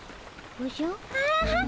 おじゃ！